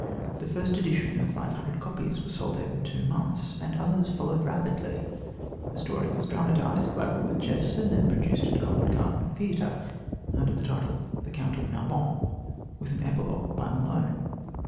The first edition of five hundred copies was sold out in two months, and others followed rapidly. The story was dramatised by Robert Jephson and produced at Covent Garden Theatre under the title of The Count of Narbonne, with an epilogue by Malone.